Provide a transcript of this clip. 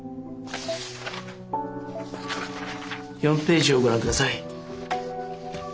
４ページをご覧ください。